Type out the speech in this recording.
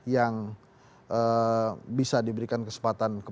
yang bisa diberikan kesempatan